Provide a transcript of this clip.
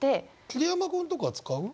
桐山君とか使う？